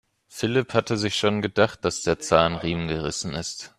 Philipp hatte sich schon gedacht, dass der Zahnriemen gerissen ist.